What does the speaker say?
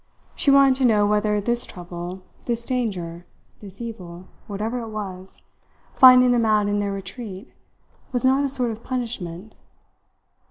She wanted to know whether this trouble, this danger, this evil, whatever it was, finding them out in their retreat, was not a sort of punishment.